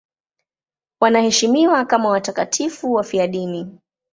Wanaheshimiwa kama watakatifu wafiadini.